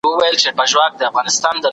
څوک د کارګرو ماشومانو ستونزي حل کوي؟